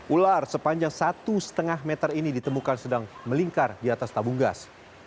ular sepanjang satu lima meter ini ditemukan sedang melingkar di atas tabung gas